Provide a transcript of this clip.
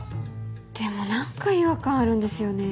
でも何か違和感あるんですよね。